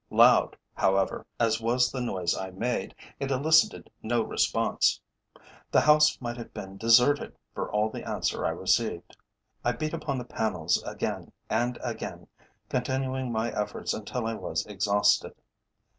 Loud, however, as was the noise I made, it elicited no response. The house might have been deserted for all the answer I received. I beat upon the panels again and again, continuing my efforts until I was exhausted.